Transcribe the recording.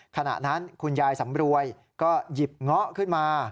ขณะนั้นคุณยายสำรวยก็หยิบเงาะขึ้นมา